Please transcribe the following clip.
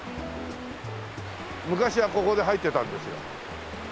昔はここで入ってたんですよ。